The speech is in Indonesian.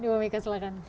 ibu mika silahkan